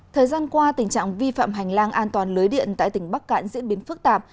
thời gian qua tình trạng vi phạm hành lang an toàn lưới điện tại tỉnh bắc cạn diễn biến phức tạp